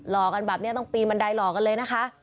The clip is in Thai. รอกันแบบนี้ต้องมันไดล่อกันเลย